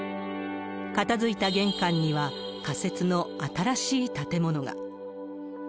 片づいた玄関には、仮設の新しい建物が。